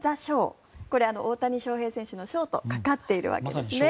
大谷翔平選手の「翔」とかかっているわけです。